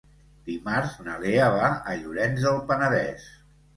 Dimarts na Lea va a Llorenç del Penedès.